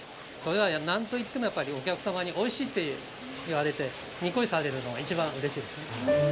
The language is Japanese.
それはなんといってもやっぱりおきゃくさまにおいしいっていわれてニッコリされるのがいちばんうれしいですね。